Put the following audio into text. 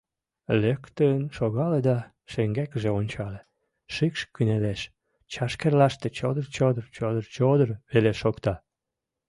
Лектын шогале да шеҥгекыже ончале: шикш кынелеш, чашкерлаште чодыр-чодыр, чодыр-чодыр веле шокта.